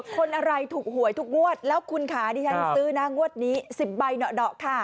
คนอะไรถูกหวยทุกงวดแล้วคุณค่ะดิฉันซื้อนะงวดนี้๑๐ใบเหนาะค่ะ